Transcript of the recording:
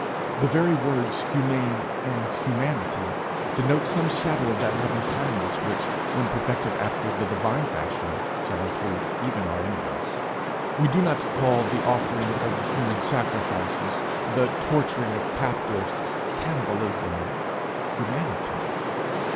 The very words humane and humanity denote some shadow of that loving kindness which, when perfected after the divine fashion, shall include even our enemies. We do not call the offering of human sacrifices, the torturing of captives, cannibalism humanity.